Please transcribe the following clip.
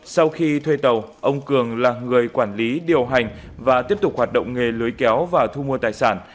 sau khi thuê tàu ông cường là người quản lý điều hành và tiếp tục hoạt động nghề lưới kéo và thu mua tài sản